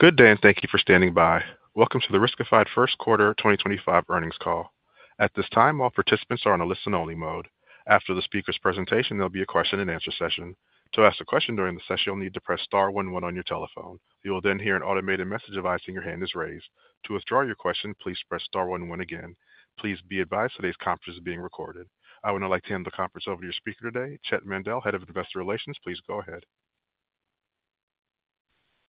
Good day, and thank you for standing by. Welcome to the Riskified First Quarter 2025 earnings call. At this time, all participants are on a listen-only mode. After the speaker's presentation, there'll be a question-and-answer session. To ask a question during the session, you'll need to press star one one on your telephone. You will then hear an automated message advising your hand is raised. To withdraw your question, please press star one one again. Please be advised today's conference is being recorded. I would now like to hand the conference over to your speaker today, Chett Mandel, Head of Investor Relations. Please go ahead.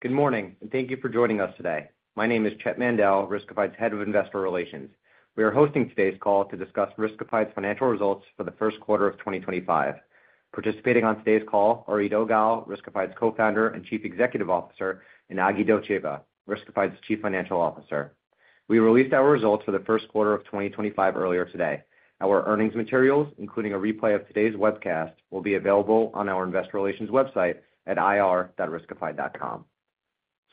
Good morning, and thank you for joining us today. My name is Chett Mandel, Riskified's Head of Investor Relations. We are hosting today's call to discuss Riskified's financial results for the first quarter of 2025. Participating on today's call are Eido Gal, Riskified's co-founder and Chief Executive Officer, and Aglika Dotcheva, Riskified's Chief Financial Officer. We released our results for the first quarter of 2025 earlier today. Our earnings materials, including a replay of today's webcast, will be available on our Investor Relations website at ir.riskified.com.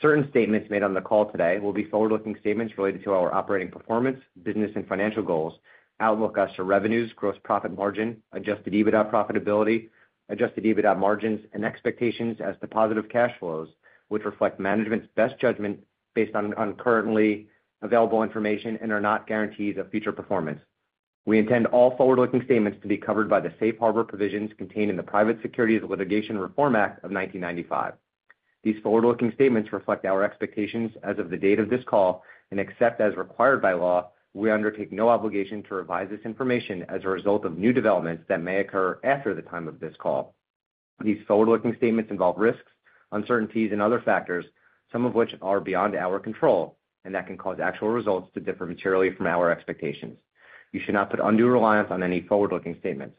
Certain statements made on the call today will be forward-looking statements related to our operating performance, business, and financial goals, outlook as to revenues, gross profit margin, adjusted EBITDA profitability, adjusted EBITDA margins, and expectations as to positive cash flows, which reflect management's best judgment based on currently available information and are not guarantees of future performance. We intend all forward-looking statements to be covered by the safe harbor provisions contained in the Private Securities Litigation Reform Act of 1995. These forward-looking statements reflect our expectations as of the date of this call, and except as required by law, we undertake no obligation to revise this information as a result of new developments that may occur after the time of this call. These forward-looking statements involve risks, uncertainties, and other factors, some of which are beyond our control, and that can cause actual results to differ materially from our expectations. You should not put undue reliance on any forward-looking statements.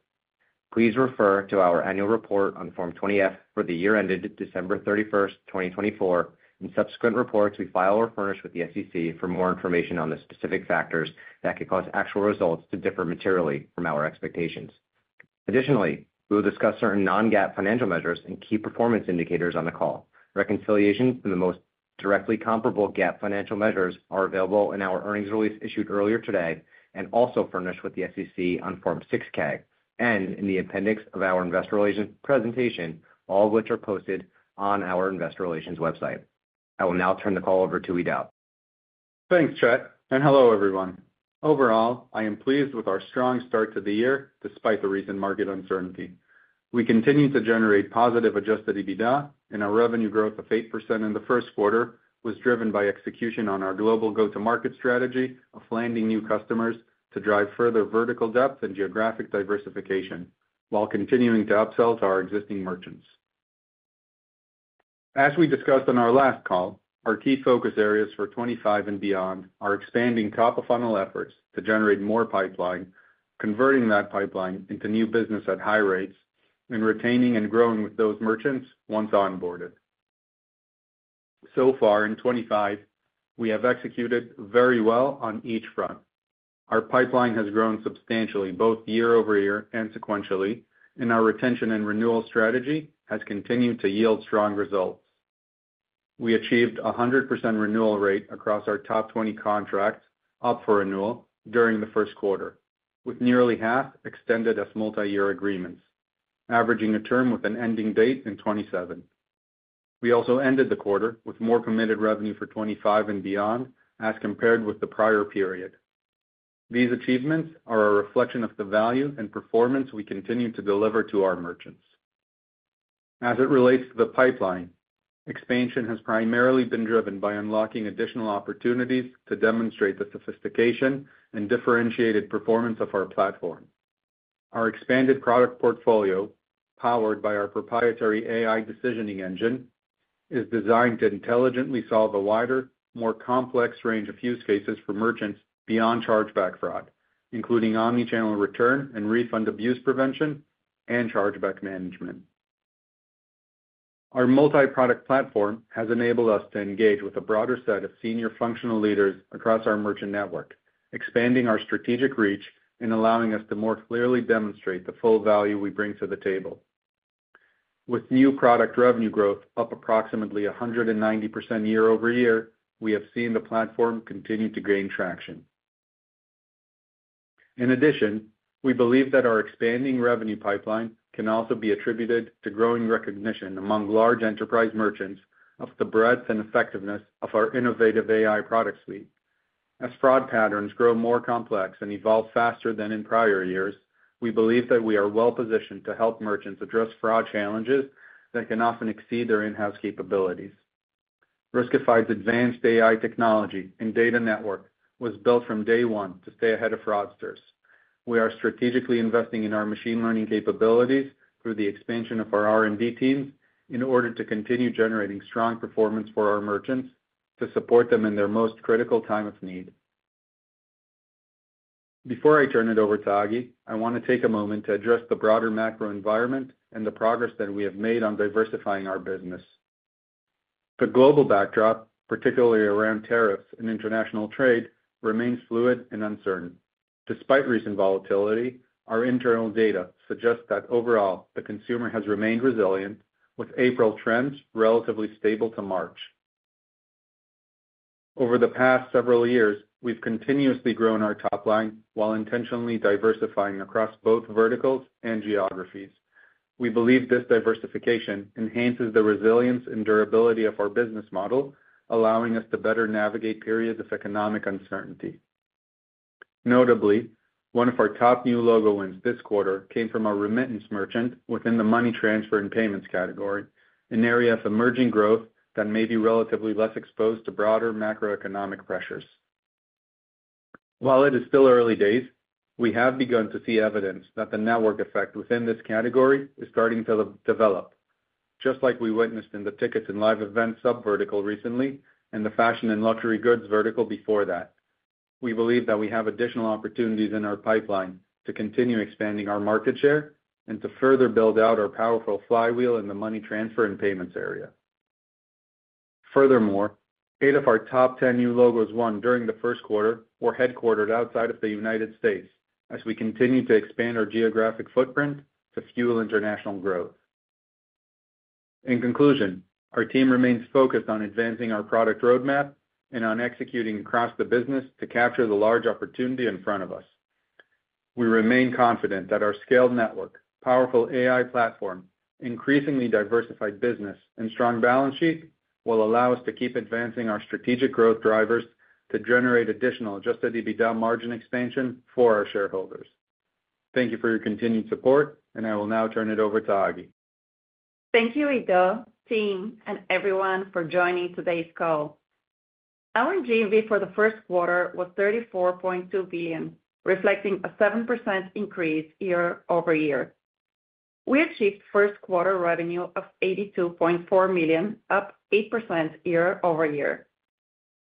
Please refer to our annual report on Form 20-F for the year ended December 31, 2024. In subsequent reports, we file or furnish with the SEC for more information on the specific factors that could cause actual results to differ materially from our expectations. Additionally, we will discuss certain non-GAAP financial measures and key performance indicators on the call. Reconciliation and the most directly comparable GAAP financial measures are available in our earnings release issued earlier today and also furnished with the SEC on Form 6-K and in the appendix of our Investor Relations presentation, all of which are posted on our Investor Relations website. I will now turn the call over to Eido Gal. Thanks, Chett, and hello everyone. Overall, I am pleased with our strong start to the year despite the recent market uncertainty. We continue to generate positive adjusted EBITDA, and our revenue growth of 8% in the first quarter was driven by execution on our global go-to-market strategy of landing new customers to drive further vertical depth and geographic diversification while continuing to upsell to our existing merchants. As we discussed on our last call, our key focus areas for 2025 and beyond are expanding top-of-funnel efforts to generate more pipeline, converting that pipeline into new business at high rates, and retaining and growing with those merchants once onboarded. So far in 2025, we have executed very well on each front. Our pipeline has grown substantially both year over year and sequentially, and our retention and renewal strategy has continued to yield strong results. We achieved a 100% renewal rate across our top 20 contracts up for renewal during the first quarter, with nearly half extended as multi-year agreements, averaging a term with an ending date in 2027. We also ended the quarter with more committed revenue for 2025 and beyond as compared with the prior period. These achievements are a reflection of the value and performance we continue to deliver to our merchants. As it relates to the pipeline, expansion has primarily been driven by unlocking additional opportunities to demonstrate the sophistication and differentiated performance of our platform. Our expanded product portfolio, powered by our proprietary AI decisioning engine, is designed to intelligently solve a wider, more complex range of use cases for merchants beyond chargeback fraud, including omnichannel return and refund abuse prevention and chargeback management. Our multi-product platform has enabled us to engage with a broader set of senior functional leaders across our merchant network, expanding our strategic reach and allowing us to more clearly demonstrate the full value we bring to the table. With new product revenue growth up approximately 190% year over year, we have seen the platform continue to gain traction. In addition, we believe that our expanding revenue pipeline can also be attributed to growing recognition among large enterprise merchants of the breadth and effectiveness of our innovative AI product suite. As fraud patterns grow more complex and evolve faster than in prior years, we believe that we are well-positioned to help merchants address fraud challenges that can often exceed their in-house capabilities. Riskified's advanced AI technology and data network was built from day one to stay ahead of fraudsters. We are strategically investing in our machine learning capabilities through the expansion of our R&D teams in order to continue generating strong performance for our merchants to support them in their most critical time of need. Before I turn it over to Aglika, I want to take a moment to address the broader macro environment and the progress that we have made on diversifying our business. The global backdrop, particularly around tariffs and international trade, remains fluid and uncertain. Despite recent volatility, our internal data suggests that overall the consumer has remained resilient, with April trends relatively stable to March. Over the past several years, we've continuously grown our top line while intentionally diversifying across both verticals and geographies. We believe this diversification enhances the resilience and durability of our business model, allowing us to better navigate periods of economic uncertainty. Notably, one of our top new logo wins this quarter came from a remittance merchant within the money transfer and payments category, an area of emerging growth that may be relatively less exposed to broader macroeconomic pressures. While it is still early days, we have begun to see evidence that the network effect within this category is starting to develop, just like we witnessed in the tickets and live events sub-vertical recently and the fashion and luxury goods vertical before that. We believe that we have additional opportunities in our pipeline to continue expanding our market share and to further build out our powerful flywheel in the money transfer and payments area. Furthermore, eight of our top 10 new logos won during the first quarter were headquartered outside of the U.S. as we continue to expand our geographic footprint to fuel international growth. In conclusion, our team remains focused on advancing our product roadmap and on executing across the business to capture the large opportunity in front of us. We remain confident that our scaled network, powerful AI platform, increasingly diversified business, and strong balance sheet will allow us to keep advancing our strategic growth drivers to generate additional adjusted EBITDA margin expansion for our shareholders. Thank you for your continued support, and I will now turn it over to Aglika. Thank you, Eido Gal, team, and everyone for joining today's call. Our GMV for the first quarter was $34.2 billion, reflecting a 7% increase year over year. We achieved first quarter revenue of $82.4 million, up 8% year over year.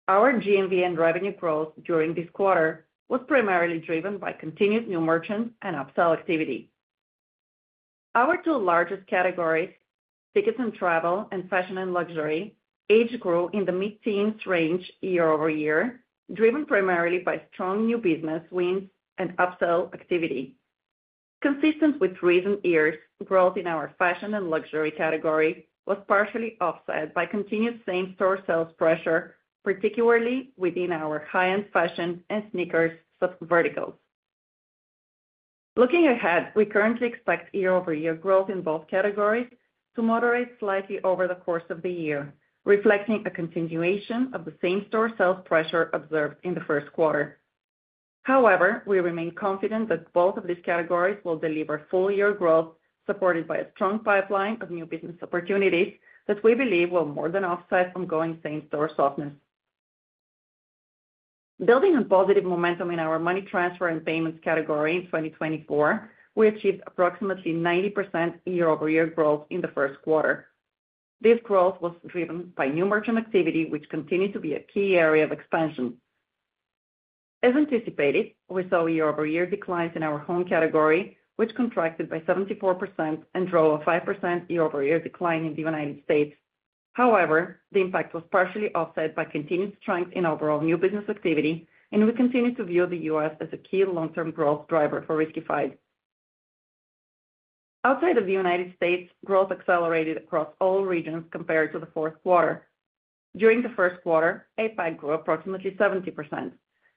Our GMV and revenue growth during this quarter was primarily driven by continued new merchants and upsell activity. Our two largest categories, tickets and travel and fashion and luxury, each grew in the mid-teens range year over year, driven primarily by strong new business wins and upsell activity. Consistent with recent years, growth in our fashion and luxury category was partially offset by continued same-store sales pressure, particularly within our high-end fashion and sneakers sub-verticals. Looking ahead, we currently expect year-over-year growth in both categories to moderate slightly over the course of the year, reflecting a continuation of the same-store sales pressure observed in the first quarter. However, we remain confident that both of these categories will deliver full-year growth supported by a strong pipeline of new business opportunities that we believe will more than offset ongoing same-store softness. Building on positive momentum in our money transfer and payments category in 2024, we achieved approximately 90% year-over-year growth in the first quarter. This growth was driven by new merchant activity, which continued to be a key area of expansion. As anticipated, we saw year-over-year declines in our home category, which contracted by 74% and drove a 5% year-over-year decline in the United States. However, the impact was partially offset by continued strength in overall new business activity, and we continue to view the U.S. as a key long-term growth driver for Riskified. Outside of the United States, growth accelerated across all regions compared to the fourth quarter. During the first quarter, APAC grew approximately 70%,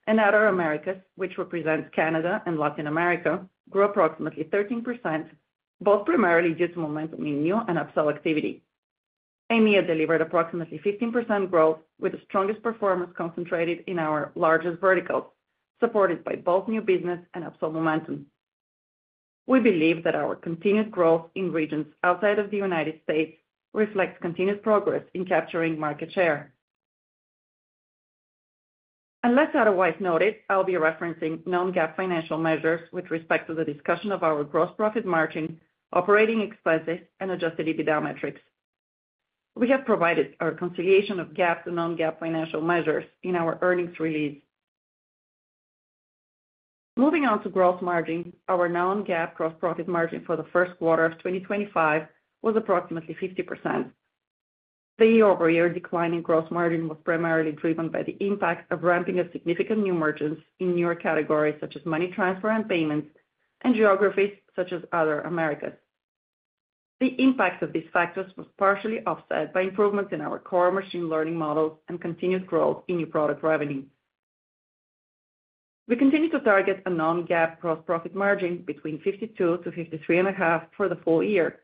and Outer Americas, which represents Canada and Latin America, grew approximately 13%, both primarily due to momentum in new and upsell activity. EMEA delivered approximately 15% growth, with the strongest performance concentrated in our largest verticals, supported by both new business and upsell momentum. We believe that our continued growth in regions outside of the United States reflects continued progress in capturing market share. Unless otherwise noted, I'll be referencing non-GAAP financial measures with respect to the discussion of our gross profit margin, operating expenses, and adjusted EBITDA metrics. We have provided a reconciliation of GAAP to non-GAAP financial measures in our earnings release. Moving on to gross margins, our non-GAAP gross profit margin for the first quarter of 2025 was approximately 50%. The year-over-year declining gross margin was primarily driven by the impact of ramping of significant new merchants in newer categories such as money transfer and payments and geographies such as Outer Americas. The impact of these factors was partially offset by improvements in our core machine learning models and continued growth in new product revenue. We continue to target a non-GAAP gross profit margin between 52%-53.5% for the full year.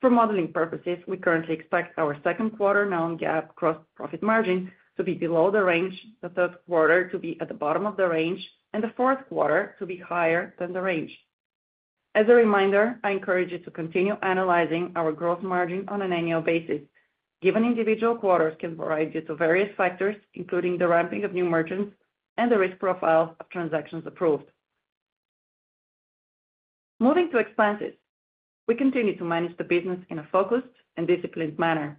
For modeling purposes, we currently expect our second quarter non-GAAP gross profit margin to be below the range, the third quarter to be at the bottom of the range, and the fourth quarter to be higher than the range. As a reminder, I encourage you to continue analyzing our gross margin on an annual basis, given individual quarters can vary due to various factors, including the ramping of new merchants and the risk profile of transactions approved. Moving to expenses, we continue to manage the business in a focused and disciplined manner.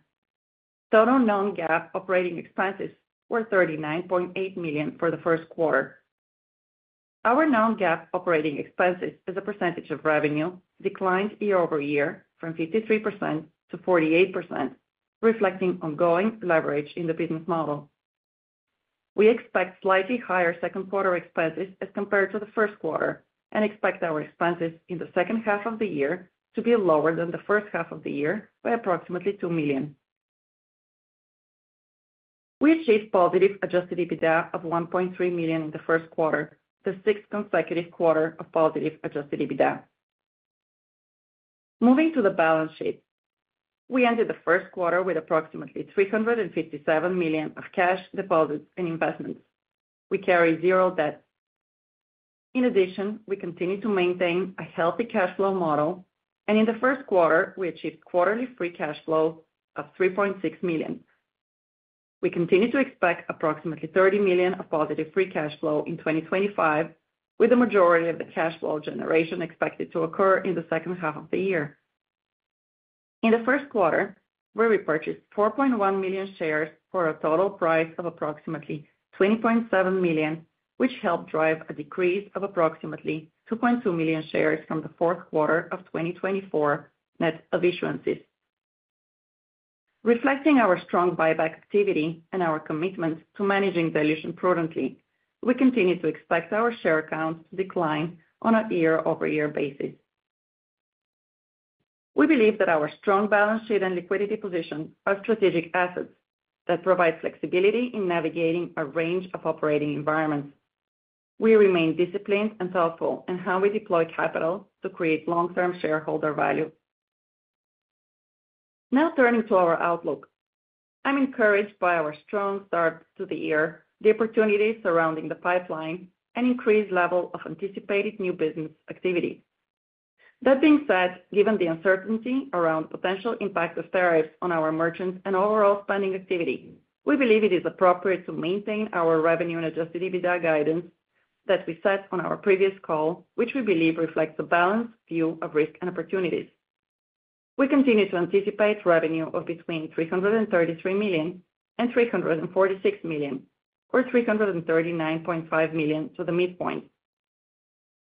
Total non-GAAP operating expenses were $39.8 million for the first quarter. Our non-GAAP operating expenses, as a percentage of revenue, declined year-over-year from 53% to 48%, reflecting ongoing leverage in the business model. We expect slightly higher second quarter expenses as compared to the first quarter and expect our expenses in the second half of the year to be lower than the first half of the year by approximately $2 million. We achieved positive adjusted EBITDA of $1.3 million in the first quarter, the sixth consecutive quarter of positive adjusted EBITDA. Moving to the balance sheet, we ended the first quarter with approximately $357 million of cash deposits and investments. We carry zero debt. In addition, we continue to maintain a healthy cash flow model, and in the first quarter, we achieved quarterly free cash flow of $3.6 million. We continue to expect approximately $30 million of positive free cash flow in 2025, with the majority of the cash flow generation expected to occur in the second half of the year. In the first quarter, we repurchased 4.1 million shares for a total price of approximately $20.7 million, which helped drive a decrease of approximately 2.2 million shares from the fourth quarter of 2024 net of issuances. Reflecting our strong buyback activity and our commitment to managing dilution prudently, we continue to expect our share count to decline on a year-over-year basis. We believe that our strong balance sheet and liquidity position are strategic assets that provide flexibility in navigating a range of operating environments. We remain disciplined and thoughtful in how we deploy capital to create long-term shareholder value. Now turning to our outlook, I'm encouraged by our strong start to the year, the opportunities surrounding the pipeline, and increased level of anticipated new business activity. That being said, given the uncertainty around potential impact of tariffs on our merchants and overall spending activity, we believe it is appropriate to maintain our revenue and adjusted EBITDA guidance that we set on our previous call, which we believe reflects a balanced view of risk and opportunities. We continue to anticipate revenue of between $333 million and $346 million, or $339.5 million at the midpoint.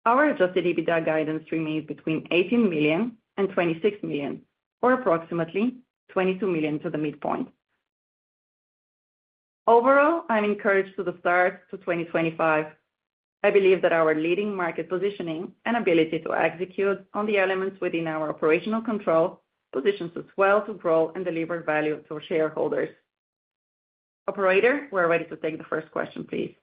Our adjusted EBITDA guidance remains between $18 million and $26 million, or approximately $22 million at the midpoint. Overall, I'm encouraged to the start to 2025. I believe that our leading market positioning and ability to execute on the elements within our operational control positions us well to grow and deliver value to our shareholders. Operator, we're ready to take the first question, please.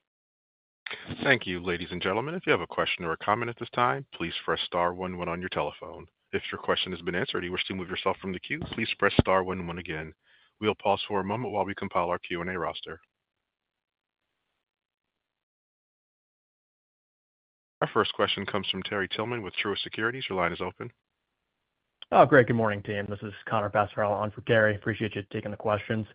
Thank you, ladies and gentlemen. If you have a question or a comment at this time, please press star one one when on your telephone. If your question has been answered and you wish to move yourself from the queue, please press star one one again. We'll pause for a moment while we compile our Q&A roster. Our first question comes from Terry Tillman with Truist Securities. Your line is open. Great. Good morning, team. This is Connor Passarella on for Terry. Appreciate you taking the questions.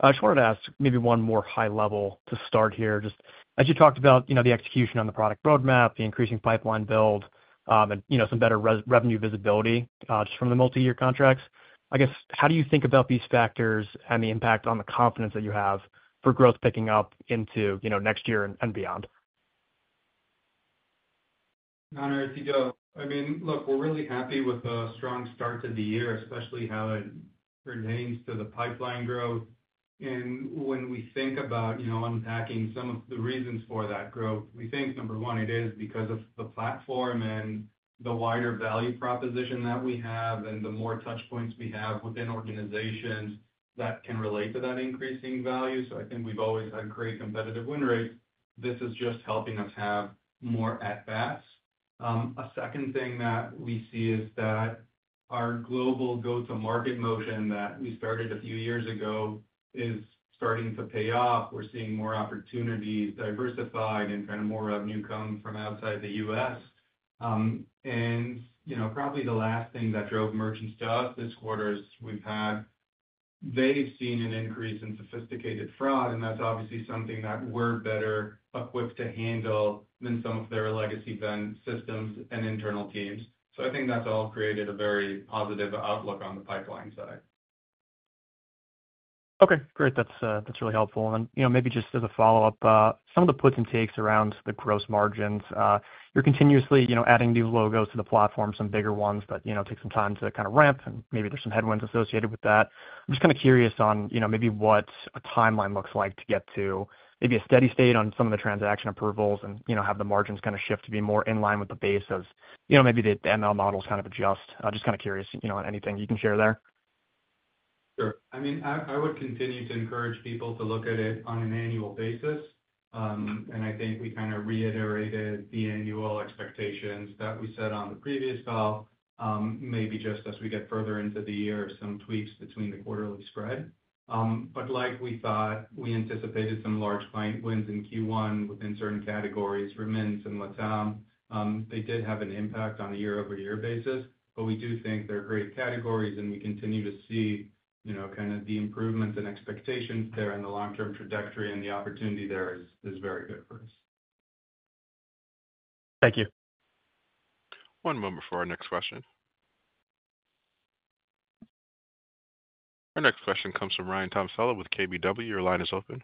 I just wanted to ask maybe one more high level to start here. Just as you talked about the execution on the product roadmap, the increasing pipeline build, and some better revenue visibility just from the multi-year contracts, I guess, how do you think about these factors and the impact on the confidence that you have for growth picking up into next year and beyond? Connor, Eido Gal, I mean, look, we're really happy with the strong start to the year, especially how it pertains to the pipeline growth. When we think about unpacking some of the reasons for that growth, we think, number one, it is because of the platform and the wider value proposition that we have and the more touchpoints we have within organizations that can relate to that increasing value. I think we've always had great competitive win rates. This is just helping us have more at-bats. A second thing that we see is that our global go-to-market motion that we started a few years ago is starting to pay off. We're seeing more opportunities diversified and kind of more revenue come from outside the U.S. Probably the last thing that drove merchants to us this quarter is we've had, they've seen an increase in sophisticated fraud, and that's obviously something that we're better equipped to handle than some of their legacy vendor systems and internal teams. I think that's all created a very positive outlook on the pipeline side. Okay. Great. That's really helpful. Maybe just as a follow-up, some of the puts and takes around the gross margins, you're continuously adding new logos to the platform, some bigger ones that take some time to kind of ramp, and maybe there's some headwinds associated with that. I'm just kind of curious on maybe what a timeline looks like to get to maybe a steady state on some of the transaction approvals and have the margins kind of shift to be more in line with the base as maybe the ML models kind of adjust. Just kind of curious on anything you can share there. Sure. I mean, I would continue to encourage people to look at it on an annual basis. I think we kind of reiterated the annual expectations that we set on the previous call, maybe just as we get further into the year, some tweaks between the quarterly spread. Like we thought, we anticipated some large client wins in Q1 within certain categories, Remittance and LATAM. They did have an impact on a year-over-year basis, but we do think they're great categories, and we continue to see kind of the improvements and expectations there and the long-term trajectory and the opportunity there is very good for us. Thank you. One moment for our next question. Our next question comes from Ryan Tomasello with KBW. Your line is open.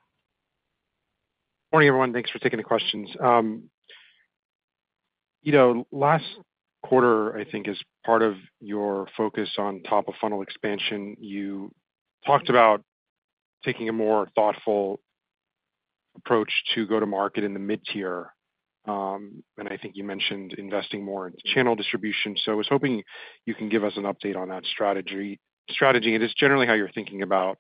Morning, everyone. Thanks for taking the questions. Last quarter, I think, as part of your focus on top-of-funnel expansion, you talked about taking a more thoughtful approach to go-to-market in the mid-tier. I think you mentioned investing more into channel distribution. I was hoping you can give us an update on that strategy. It is generally how you're thinking about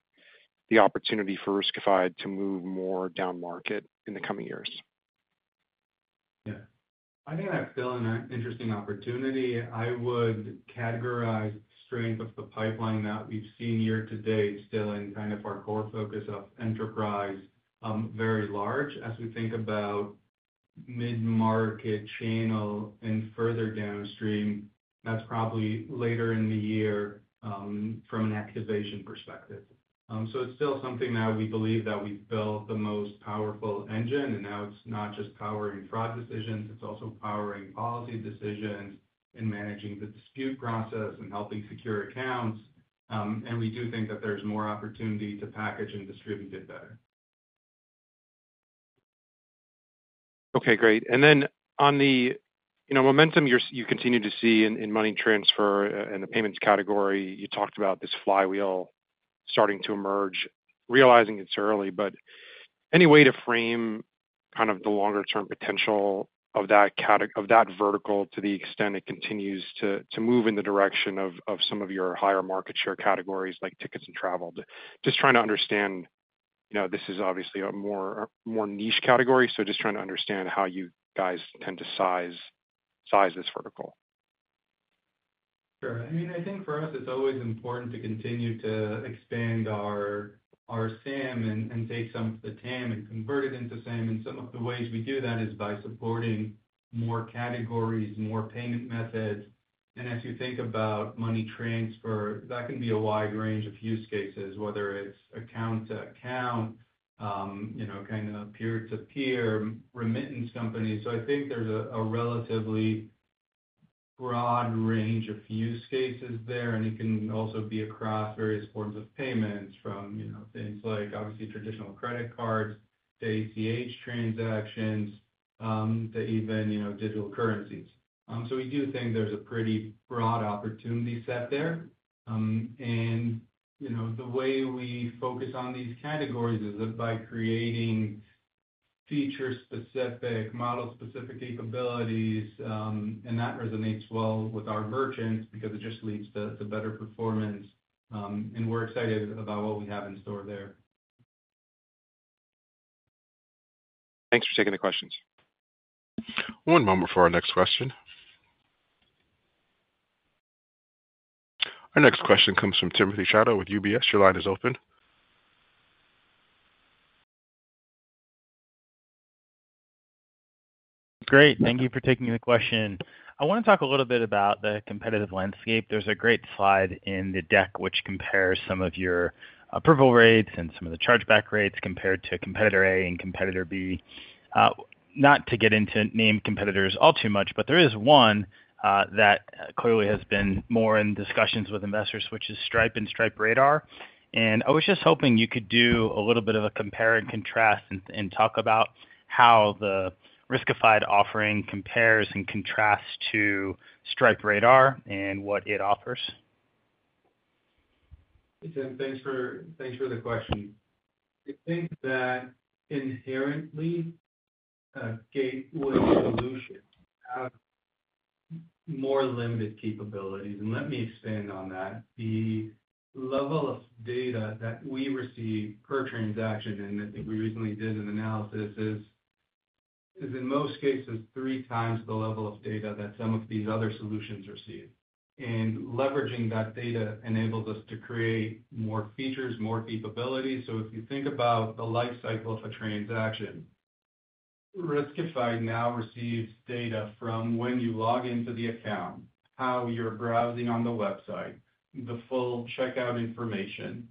the opportunity for Riskified to move more down market in the coming years. Yeah. I think that's still an interesting opportunity. I would categorize the strength of the pipeline that we've seen year to date still in kind of our core focus of enterprise, very large. As we think about mid-market channel and further downstream, that's probably later in the year from an activation perspective. It is still something that we believe that we've built the most powerful engine, and now it's not just powering fraud decisions, it's also powering policy decisions and managing the dispute process and helping secure accounts. We do think that there's more opportunity to package and distribute it better. Okay. Great. Then on the momentum you continue to see in money transfer and the payments category, you talked about this flywheel starting to emerge. Realizing it's early, but any way to frame kind of the longer-term potential of that vertical to the extent it continues to move in the direction of some of your higher market share categories like tickets and travel? Just trying to understand, this is obviously a more niche category, so just trying to understand how you guys tend to size this vertical. Sure. I mean, I think for us, it's always important to continue to expand our SAM and take some of the TAM and convert it into SAM. Some of the ways we do that is by supporting more categories, more payment methods. As you think about money transfer, that can be a wide range of use cases, whether it's account-to-account, kind of peer-to-peer, remittance companies. I think there's a relatively broad range of use cases there, and it can also be across various forms of payments from things like, obviously, traditional credit cards to ACH transactions to even digital currencies. We do think there's a pretty broad opportunity set there. The way we focus on these categories is by creating feature-specific, model-specific capabilities, and that resonates well with our merchants because it just leads to better performance. We are excited about what we have in store there. Thanks for taking the questions. One moment for our next question. Our next question comes from Timothy Chiodo with UBS. Your line is open. Great. Thank you for taking the question. I want to talk a little bit about the competitive landscape. There is a great slide in the deck which compares some of your approval rates and some of the chargeback rates compared to competitor A and competitor B. Not to get into named competitors all too much, but there is one that clearly has been more in discussions with investors, which is Stripe and Stripe Radar. I was just hoping you could do a little bit of a compare and contrast and talk about how the Riskified offering compares and contrasts to Stripe Radar and what it offers. Hey, Tim, thanks for the question. I think that inherently, gateway solution have more limited capabilities. Let me expand on that. The level of data that we receive per transaction, and I think we recently did an analysis, is in most cases three times the level of data that some of these other solutions receive. Leveraging that data enables us to create more features, more capabilities. If you think about the lifecycle of a transaction, Riskified now receives data from when you log into the account, how you're browsing on the website, the full checkout information,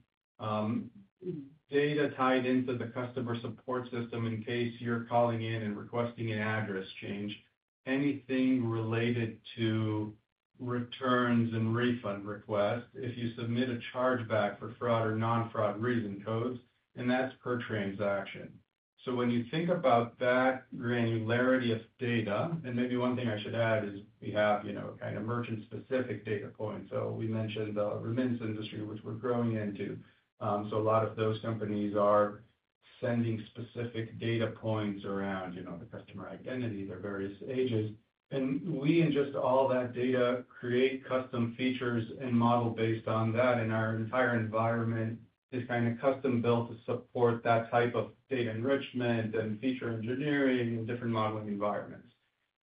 data tied into the customer support system in case you're calling in and requesting an address change, anything related to returns and refund requests, if you submit a chargeback for fraud or non-fraud reason codes, and that's per transaction. When you think about that granularity of data, and maybe one thing I should add is we have kind of merchant-specific data points. We mentioned the remittance industry, which we're growing into. A lot of those companies are sending specific data points around the customer identity, their various ages. We ingest all that data, create custom features and model based on that, and our entire environment is kind of custom-built to support that type of data enrichment and feature engineering and different modeling environments.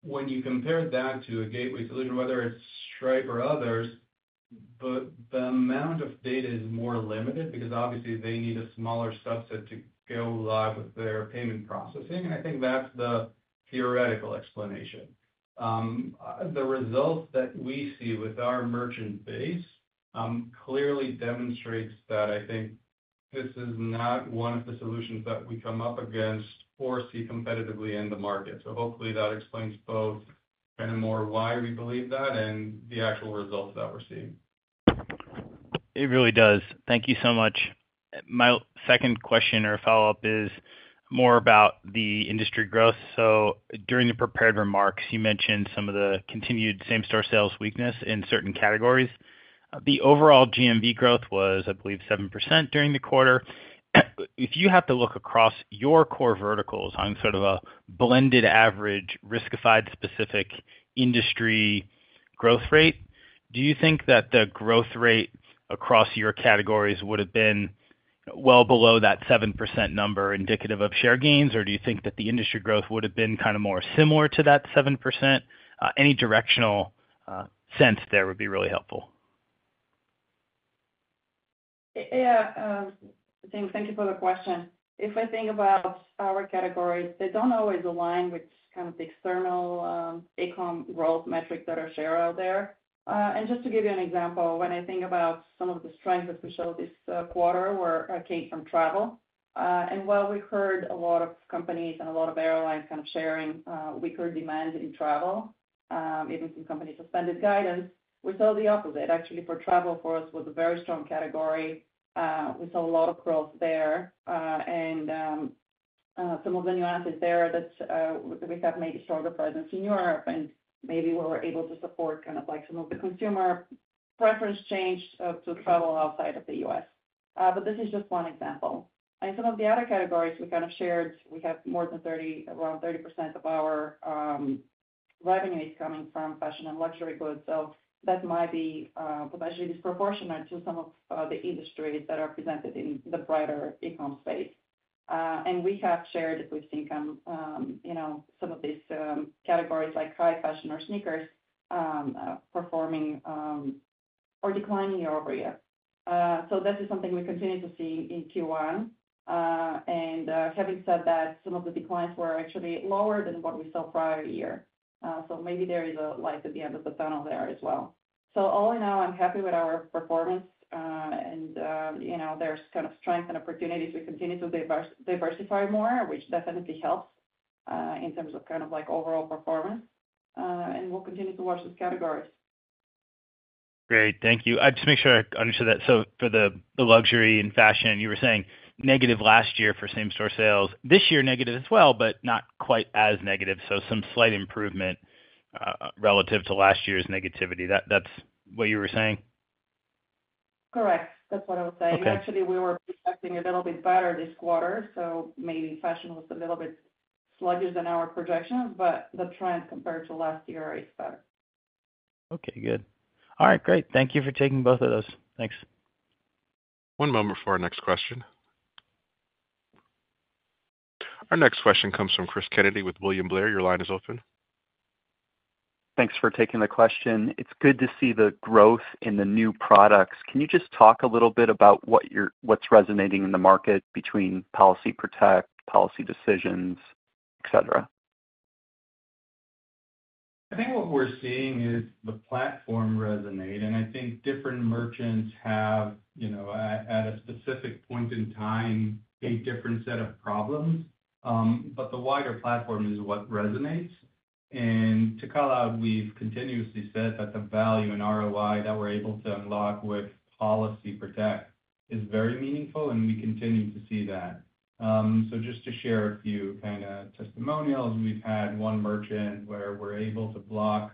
When you compare that to a gateway solution, whether it's Stripe or others, the amount of data is more limited because obviously they need a smaller subset to go live with their payment processing. I think that's the theoretical explanation. The results that we see with our merchant base clearly demonstrates that I think this is not one of the solutions that we come up against or see competitively in the market. Hopefully that explains both kind of more why we believe that and the actual results that we're seeing. It really does. Thank you so much. My second question or follow-up is more about the industry growth. During the prepared remarks, you mentioned some of the continued same-store sales weakness in certain categories. The overall GMV growth was, I believe, 7% during the quarter. If you have to look across your core verticals on sort of a blended average Riskified-specific industry growth rate, do you think that the growth rate across your categories would have been well below that 7% number indicative of share gains, or do you think that the industry growth would have been kind of more similar to that 7%? Any directional sense there would be really helpful. Yeah. Thank you for the question. If we think about our categories, they do not always align with kind of the external e-com growth metrics that are shared out there. Just to give you an example, when I think about some of the strengths that we showed this quarter came from travel. While we heard a lot of companies and a lot of airlines kind of sharing weaker demands in travel, even some companies suspended guidance, we saw the opposite. Actually, for travel, for us, was a very strong category. We saw a lot of growth there. Some of the nuances there are that we have maybe stronger presence in Europe, and maybe we were able to support kind of some of the consumer preference change to travel outside of the U.S. This is just one example. Some of the other categories we kind of shared, we have more than 30, around 30% of our revenue is coming from fashion and luxury goods. That might be potentially disproportionate to some of the industries that are presented in the broader e-com space. We have shared that we've seen some of these categories like high fashion or sneakers performing or declining year over year. That is something we continue to see in Q1. Having said that, some of the declines were actually lower than what we saw prior year. Maybe there is a light at the end of the tunnel there as well. All in all, I'm happy with our performance, and there's kind of strength and opportunities. We continue to diversify more, which definitely helps in terms of overall performance. We'll continue to watch these categories. Great. Thank you. Just to make sure I understood that. For the luxury and fashion, you were saying negative last year for same-store sales. This year, negative as well, but not quite as negative. Some slight improvement relative to last year's negativity. That is what you were saying? Correct. That's what I was saying. Actually, we were expecting a little bit better this quarter. So maybe fashion was a little bit sluggish than our projections, but the trend compared to last year is better. Okay. Good. All right. Great. Thank you for taking both of those. Thanks. One moment for our next question. Our next question comes from Cris Kennedy with William Blair. Your line is open. Thanks for taking the question. It's good to see the growth in the new products. Can you just talk a little bit about what's resonating in the market between Policy Protect, policy decisions, etc.? I think what we're seeing is the platform resonate. I think different merchants have, at a specific point in time, a different set of problems. The wider platform is what resonates. To call out, we've continuously said that the value in ROI that we're able to unlock with Policy Protect is very meaningful, and we continue to see that. Just to share a few kind of testimonials, we've had one merchant where we're able to block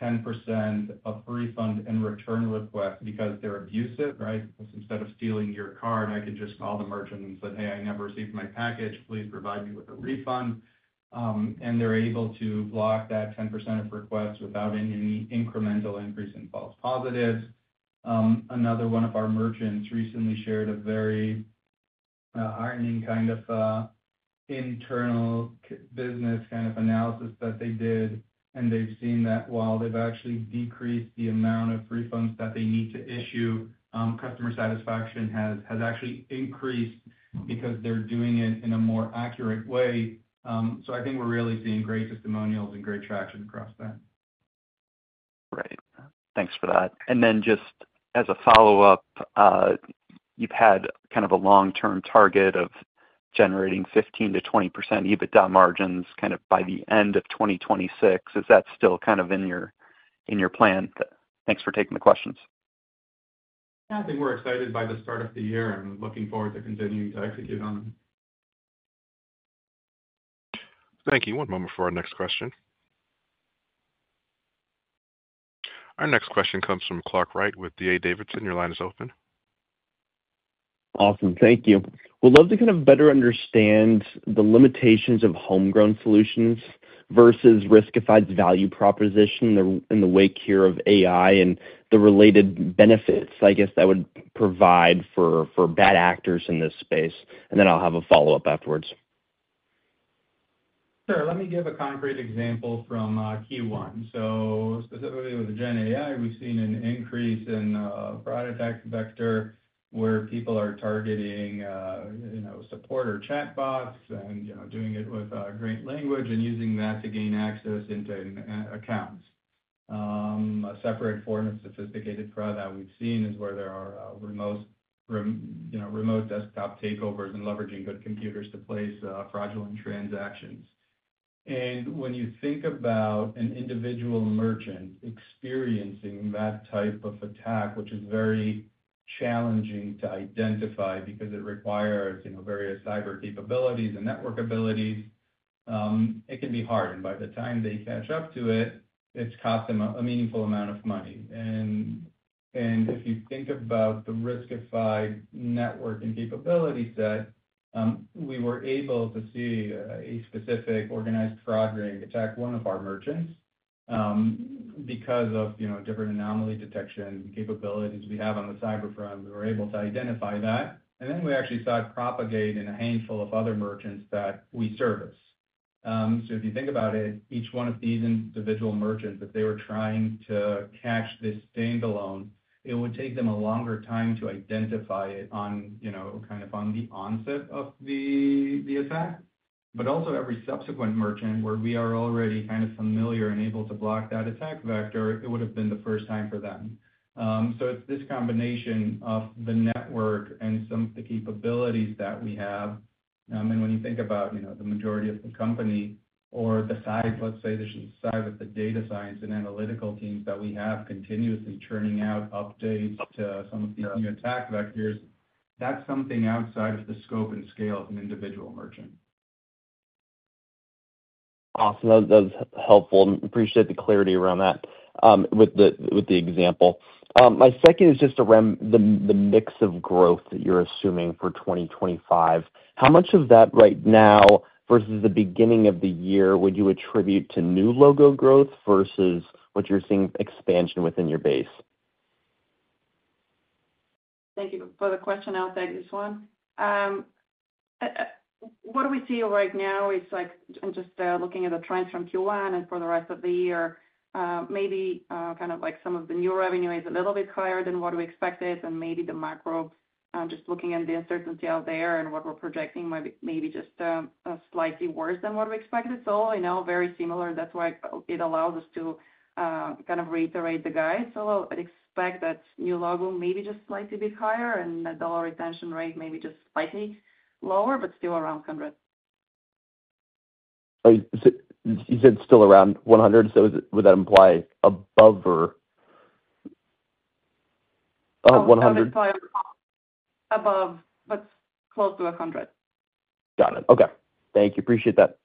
10% of refund and return requests because they're abusive, right? Because instead of stealing your card, I can just call the merchant and say, "Hey, I never received my package. Please provide me with a refund." They're able to block that 10% of requests without any incremental increase in false positives. Another one of our merchants recently shared a very heartening kind of internal business kind of analysis that they did, and they've seen that while they've actually decreased the amount of refunds that they need to issue, customer satisfaction has actually increased because they're doing it in a more accurate way. I think we're really seeing great testimonials and great traction across that. Great. Thanks for that. Just as a follow-up, you've had kind of a long-term target of generating 15%-20% EBITDA margins kind of by the end of 2026. Is that still kind of in your plan? Thanks for taking the questions. Yeah. I think we're excited by the start of the year and looking forward to continuing to execute on them. Thank you. One moment for our next question. Our next question comes from Clark Wright with D.A. Davidson. Your line is open. Awesome. Thank you. We'd love to kind of better understand the limitations of homegrown solutions versus Riskified's value proposition in the wake here of AI and the related benefits, I guess, that would provide for bad actors in this space. I have a follow-up afterwards. Sure. Let me give a concrete example from Q1. Specifically with GenAI, we've seen an increase in product attack vector where people are targeting support or chatbots and doing it with great language and using that to gain access into accounts. A separate form of sophisticated fraud that we've seen is where there are remote desktop takeovers and leveraging good computers to place fraudulent transactions. When you think about an individual merchant experiencing that type of attack, which is very challenging to identify because it requires various cyber capabilities and network abilities, it can be hard. By the time they catch up to it, it's cost them a meaningful amount of money. If you think about the Riskified network and capability set, we were able to see a specific organized fraud ring attack one of our merchants because of different anomaly detection capabilities we have on the cyber front. We were able to identify that. We actually saw it propagate in a handful of other merchants that we service. If you think about it, each one of these individual merchants, if they were trying to catch this standalone, it would take them a longer time to identify it kind of on the onset of the attack. Also, every subsequent merchant where we are already kind of familiar and able to block that attack vector, it would have been the first time for them. It is this combination of the network and some of the capabilities that we have. When you think about the majority of the company or the side, let's say there's a side with the data science and analytical teams that we have continuously churning out updates to some of these new attack vectors, that's something outside of the scope and scale of an individual merchant. Awesome. That was helpful. Appreciate the clarity around that with the example. My second is just around the mix of growth that you're assuming for 2025. How much of that right now versus the beginning of the year would you attribute to new logo growth versus what you're seeing expansion within your base? Thank you for the question. I'll take this one. What we see right now is just looking at the trends from Q1 and for the rest of the year, maybe kind of some of the new revenue is a little bit higher than what we expected, and maybe the macro, just looking at the uncertainty out there and what we're projecting, maybe just slightly worse than what we expected. All in all, very similar. That is why it allows us to kind of reiterate the guide. I would expect that new logo maybe just slightly bit higher and the dollar retention rate maybe just slightly lower, but still around 100. You said still around 100. Would that imply above or 100? Above, but close to 100. Got it. Okay. Thank you. Appreciate that.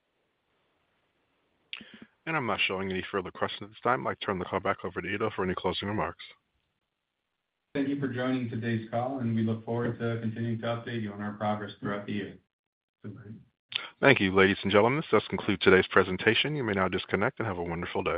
I'm not showing any further questions at this time. I'd like to turn the call back over to Eido for any closing remarks. Thank you for joining today's call, and we look forward to continuing to update you on our progress throughout the year. Thank you, ladies and gentlemen. This does conclude today's presentation. You may now disconnect and have a wonderful day.